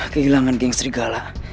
kehilangan geng serigala